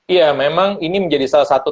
iya memang ini menjadi salah satu